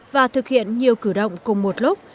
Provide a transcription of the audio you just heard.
và thực hiện nhiều cử động cùng một lúc